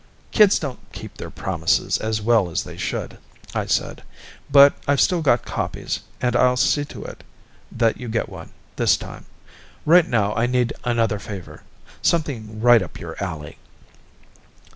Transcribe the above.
"Kids don't keep their promises as well as they should," I said. "But I've still got copies and I'll see to it that you get one, this time. Right now I need another favor something right up your alley."